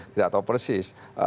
tidak tahu persis